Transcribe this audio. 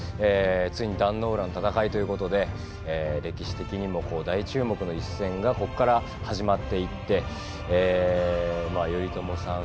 ついに壇ノ浦の戦いということで歴史的にも大注目の一戦がここから始まっていて頼朝さん